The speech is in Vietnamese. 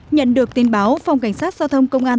nhận được tin báo phòng cảnh sát giao thông công an